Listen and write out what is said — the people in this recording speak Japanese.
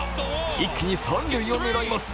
一気に三塁を狙います。